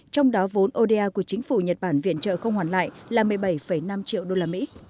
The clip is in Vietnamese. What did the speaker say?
trong đó vốn oda của chính phủ nhật bản viện trợ không hoàn lại là một mươi bảy năm triệu usd